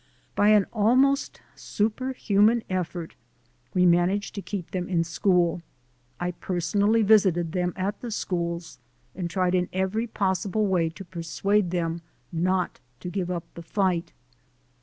By an almost superhuman effort, we managed to keep them in school. I personally visited them at the schools and tried in every possible way to per suade them not to give up the fight.